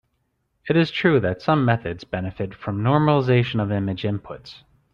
It is true that some methods benefit from normalization of image inputs.